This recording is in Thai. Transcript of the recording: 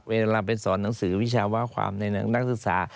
เวลาไปสอนหนังสือวิชาว่าความในนักศึกษา